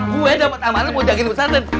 gue dapat amalan buat jaga ibu pesantren